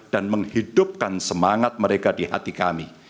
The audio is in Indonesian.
menghidupkan semangat mereka di hati kami